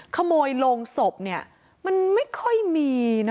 ขโมยลงศพเนี่ยมันไม่ค่อยมีนะ